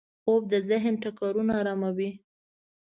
خوب د ذهن ټکرونه اراموي